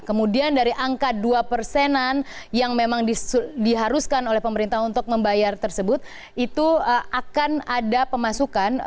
kemudian dari angka dua persenan yang memang diharuskan oleh pemerintah untuk membayar tersebut itu akan ada pemasukan